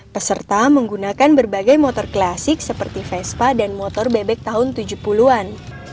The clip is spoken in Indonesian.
peserta menggunakan berbagai motor klasik seperti vespa dan motor bebek tahun tujuh puluh an